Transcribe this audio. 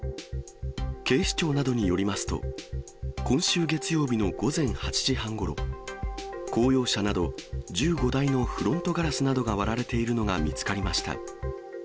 警視庁などによりますと、今週月曜日の午前８時半ごろ、公用車など１５台のフロントガラスなどが割られているのが見つかりました。